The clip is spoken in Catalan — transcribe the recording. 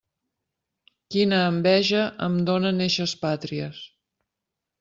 Quina enveja em donen eixes pàtries!